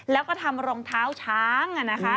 แล้วก็ทำรองเท้าช้าง